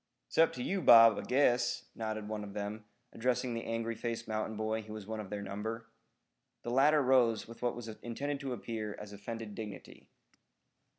"It's up to you, Bob, I guess," nodded one of them, addressing the angry faced mountain boy who was one of their number. The latter rose with what was intended to appear as offended dignity.